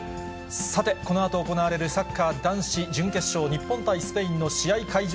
さて、このあと行われるサッカー男子準決勝、日本対スペインの試合会場